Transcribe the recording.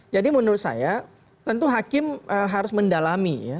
jadi menurut saya tentu hakim harus mendalami